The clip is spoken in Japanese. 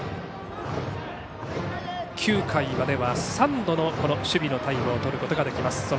９回までは３度の守備のタイムをとることができます。